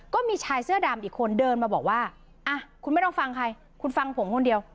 ก็มีชายเสื้อดำอีกคนเดินมาบอกว่าอ่ะคุณไม่ต้องฟังใครคุณฟังผมคนเดียว